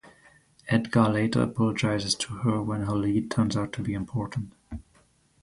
Edgar later apologizes to her when her lead turns out to be important.